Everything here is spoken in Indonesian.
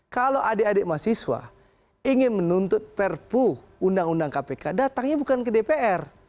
kalau adik adik mahasiswa ingin menuntut perpu undang undang kpk datangnya bukan ke dpr